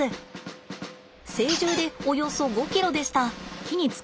成獣でおよそ５ｋｇでした。